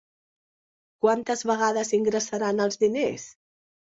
Quantes vegades ingressaran els diners?